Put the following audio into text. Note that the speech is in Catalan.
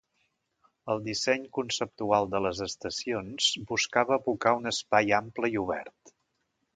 El disseny conceptual de les estacions buscava evocar un espai ample i obert.